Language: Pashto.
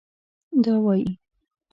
دا وايي